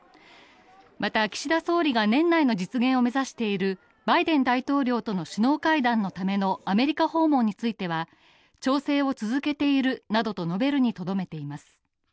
また、岸田総理が年内に実現を目指しているバイデン大統領との首脳会談のためのアメリカ訪問については、調整を続けているなどと述べるにとどめています。